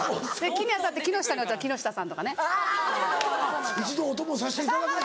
木に当たって木の下だったら「木下さん」とかね。一度お供させていただけない？